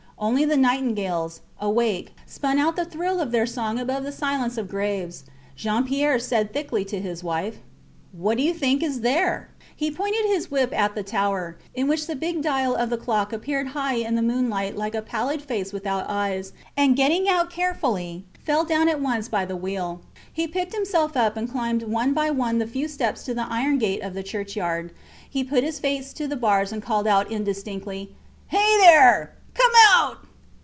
Only the nightingales, awake, spun out the thrill of their song above the silence of graves. Jean Pierre said thickly to his wife What do you think is there? He pointed his whip at the tower in which the big dial of the clock appeared high in the moonlight like a pallid face without eyes and getting out carefully, fell down at once by the wheel. He picked himself up and climbed one by one the few steps to the iron gate of the churchyard. He put his face to the bars and called out indistinctly Hey there! Come out!